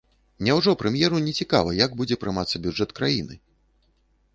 Няўжо прэм'еру нецікава, як будзе прымацца бюджэт краіны?